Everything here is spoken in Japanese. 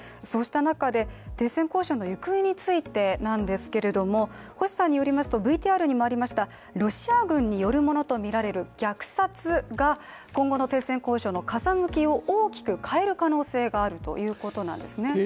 そうした中で、停戦交渉の行方についてなんですけれども星さんによりますと、ＶＴＲにもありましたロシア軍によるものとみられる虐殺が今後の停戦交渉の風向きを大きく変える可能性があるということなんですね。